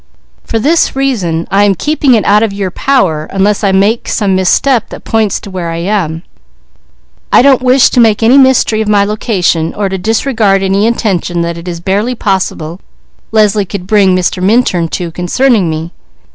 For this reason I am keeping it out of your power, unless I make some misstep that points to where I am. I don't wish to make any mystery of my location, or to disregard any intention that it is barely possible Leslie could bring Mr. Minturn to, concerning me.